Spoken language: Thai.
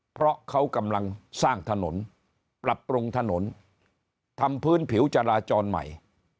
เพราะเขากำลังสร้างถนนปรับปรุงถนนทำพื้นผิวจราจรใหม่